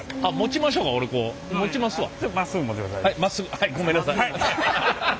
まっすぐはいごめんなさい。